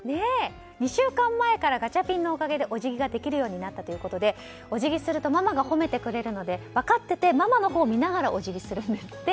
２週間前からガチャピンのおかげでお辞儀ができるようになったということでお辞儀するとママが褒めてくれるので分かっててママのほう見ながらお辞儀するんですって。